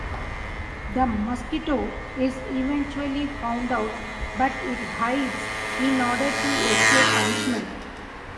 The mosquito is eventually found out, but it hides in order to escape punishment.